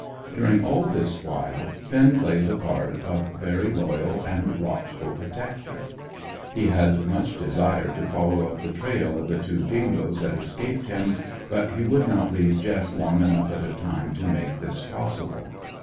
During all this while Finn played the part of very loyal and watchful protector. He had much desired to follow up the trail of the two dingoes that escaped him, but he would not leave Jess long enough at a time to make this possible.